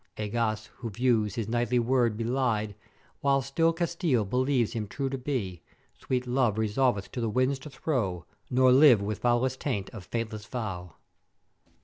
Egas who views his knightly word belied, while still Castile believes him true to be, Sweet life resolveth to the winds to throw, nor live with foulest taint of faithless vow.